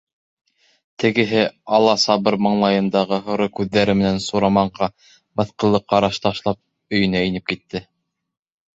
Тегеһе, ала-сыбар маңлайындағы һоро күҙҙәре менән Сураманға мыҫҡыллы ҡараш ташлап, өйөнә инеп китте.